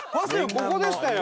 ここでしたよ。